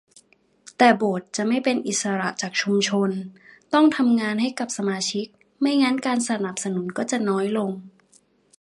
แต่โบสถ์จะไม่เป็นอิสระจากชุมชน ต้องทำงานให้กับสมาชิก ไม่งั้นการสนับสนุนก็จะน้อยลง